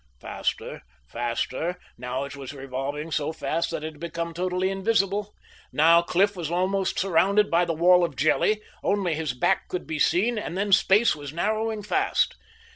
Faster ... faster.... Now it was revolving so fast that it had become totally invisible. But Cliff was almost surrounded by the wall of jelly. Only his back could be seen, and then space was narrowing fast.